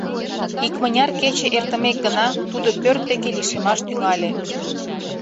Икмыняр кече эртымек гына тудо пӧрт деке лишемаш тӱҥале.